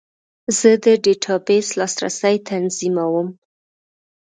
زه د ډیټابیس لاسرسی تنظیموم.